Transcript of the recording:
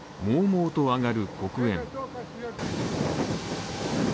もうもうと上がる黒煙。